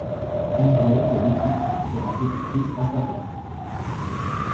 Un joueur de l'équipe sera exclu à sa place.